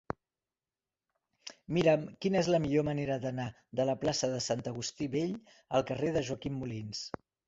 Mira'm quina és la millor manera d'anar de la plaça de Sant Agustí Vell al carrer de Joaquim Molins.